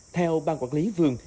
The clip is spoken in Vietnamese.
theo ban quản lý vườn